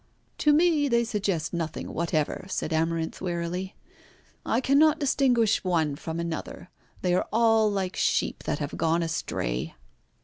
"To me they suggest nothing whatever," said Amarinth wearily. "I cannot distinguish one from another. They are all like sheep that have gone astray."